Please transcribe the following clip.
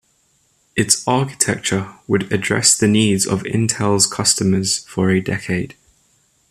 Its architecture would address the needs of Intel's customers for a decade.